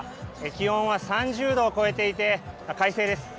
気温は３０度を超えていて、快晴です。